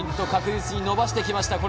確実に伸ばしてきました。